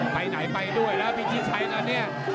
ไปไหนไปด้วยแล้วพิชิไชยนั่นเนี่ย